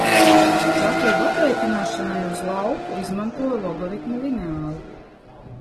Platību aprēķināšanai uz lauku izmantoju logaritmu lineālu.